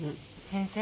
先生。